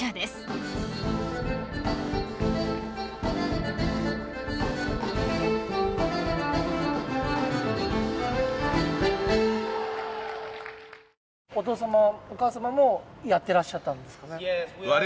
お父さまお母さまもやってらっしゃったんですかね？